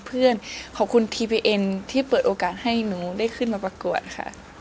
คือเราผ่านเวทีอะไรมาบ้าง